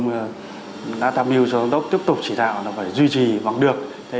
đã tham dự cho công an tỉnh hưng yên tiếp tục chỉ đạo là phải duy trì bằng được